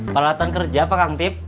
peralatan kerja pak kang tip